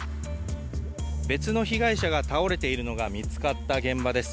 別の被害者が倒れているのが見つかった現場です。